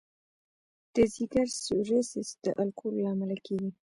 د ځګر سیروسس د الکولو له امله کېږي.